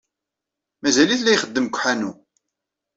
Mazal-it la ixeddem deg uḥanu.